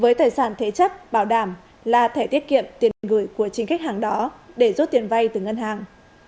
với tài sản thể chất bảo đảm là thẻ tiết kiệm tiền gửi của chính khách hàng đó để rút tiền vay từ ngân hàng